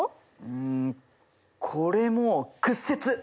うんこれも屈折！